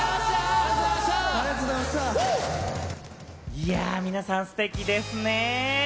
いや、皆さんステキですね。